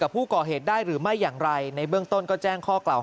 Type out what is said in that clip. ผู้ก่อเหตุได้หรือไม่อย่างไรในเบื้องต้นก็แจ้งข้อกล่าว